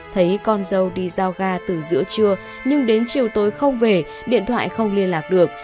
thấy con dâu đi giao ga từ giữa trưa nhưng đến chiều tối không về điện thoại không liên lạc được